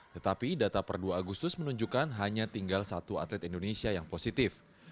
tetapi data per dua agustus menunjukkan hanya tinggal satu atlet indonesia yang positif